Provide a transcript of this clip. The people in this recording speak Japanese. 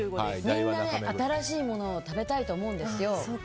みんな新しいものを食べたいと思うんですよ。